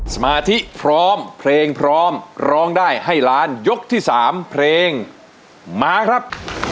สมาธิพร้อมเพลงพร้อมร้องได้ให้ล้านยกที่๓เพลงมาครับ